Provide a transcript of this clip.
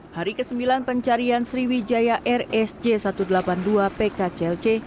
hari ke sembilan pencarian sriwijaya rsj satu ratus delapan puluh dua pkclc